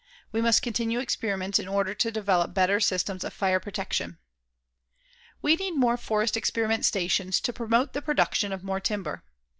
We must continue experiments in order to develop better systems of fire protection. We need more forest experiment stations to promote the production of more timber.